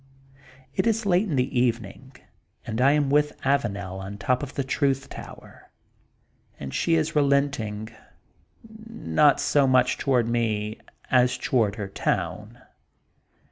It is late in the evening, and I am with Avanel on top of the Truth Tower, and she is relenting, not so much toward me, as toward her town.